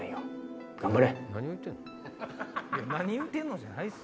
何言うてんの？じゃないっすよ。